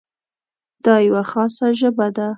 دا یوه خاصه ژبه ده.